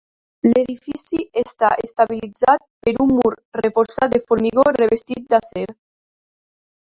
L'edifici està estabilitzat per un mur reforçat de formigó revestit d'acer.